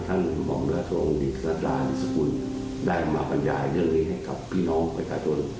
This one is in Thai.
หม่อมและโทรดิสรสกุลได้มาบรรยายเรื่องนี้ให้กับพี่น้องประชาชน